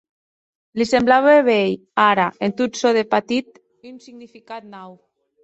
Li semblaue veir, ara, en tot çò de patit un significat nau.